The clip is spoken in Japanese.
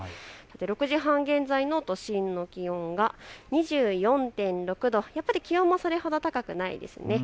６時半現在の都心の気温は２４．６度、気温もそれほど高くないですね。